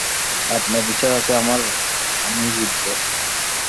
আত্মবিশ্বাস আছে আমার আমিই জিতব!